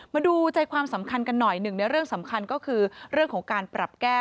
มาดูใจความสำคัญกันหน่อยหนึ่งในเรื่องสำคัญก็คือเรื่องของการปรับแก้